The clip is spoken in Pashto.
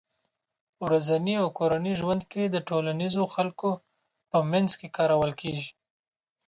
ورځني او کورني ژوند کې د ټولنيزو خلکو په منځ کې کارول کېږي